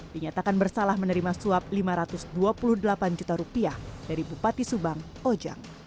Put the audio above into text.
dinyatakan bersalah menerima suap lima ratus dua puluh delapan juta rupiah dari bupati subang ojang